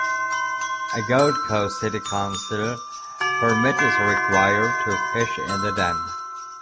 A Gold Coast City Council permit is required to fish in the dam.